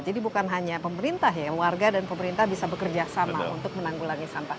jadi bukan hanya pemerintah ya warga dan pemerintah bisa bekerja sama untuk menanggulangi sampah